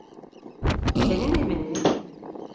Senin evin mi?